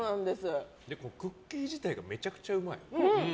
クッキー自体がめちゃくちゃうまい。